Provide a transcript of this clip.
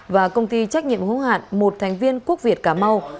và công ty trách nhiệm hữu hạn một thành viên quốc việt cà mau